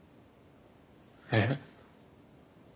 えっ。